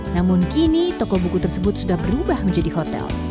namun kini toko buku tersebut sudah berubah menjadi hotel